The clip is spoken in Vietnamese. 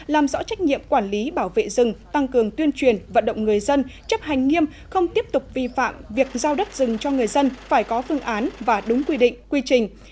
làm rõ trách nhiệm quản lý bảo vệ rừng tăng cường tuyên truyền vận động người dân chấp hành nghiêm không tiếp tục vi phạm việc giao đất rừng cho người dân phải có phương án và đúng quy định quy trình